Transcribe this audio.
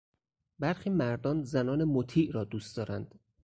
برخی مردان زنان مطیع را دوست دارند.